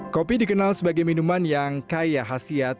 kopi dikenal sebagai minuman yang kaya khasiat